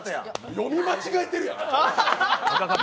言い間違えてるやん。